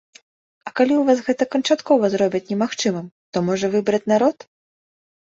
А калі ў вас гэта канчаткова зробяць немагчымым, то можа выбраць народ?